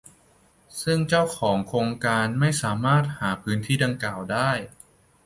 ซึ่งเจ้าของโครงการไม่สามารถหาพื้นที่ดังกล่าวได้